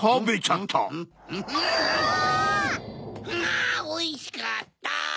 あおいしかった！